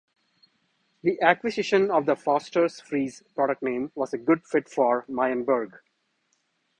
The acquisition of the Fosters Freeze product name was a good fit for Meyenberg.